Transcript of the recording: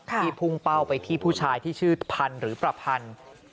พุ่งเป้าไปที่ผู้ชายที่ชื่อพันธุ์หรือประพันธ์